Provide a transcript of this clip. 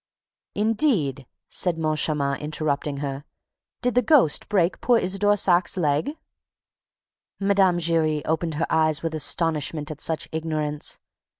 "Indeed!" said Moncharmin, interrupting her. "Did the ghost break poor Isidore Saack's leg?" Mme. Giry opened her eyes with astonishment at such ignorance.